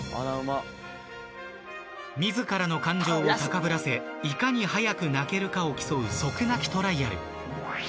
自らの感情を高ぶらせいかに早く泣けるかを競う即泣きトライアル。